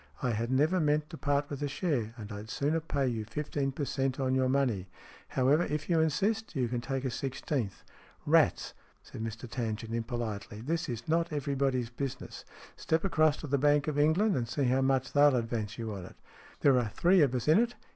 I had never meant to part with a share, and I'd sooner pay you fifteen per cent, on your money. However, if you insist, you can take a sixteenth." "Rats!" said Mr Tangent, impolitely. "This is not everybody's business. Step across to the Bank of England, and see how much they'll advance you on it. There are three of us in it.